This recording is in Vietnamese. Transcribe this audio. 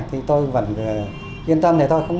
thì tôi vẫn yên tâm